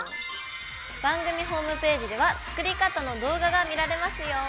番組ホームページでは作り方の動画が見られますよ。